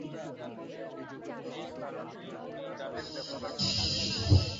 গাড়িতে একজন অফিসার আছেন।